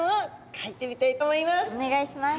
お願いします。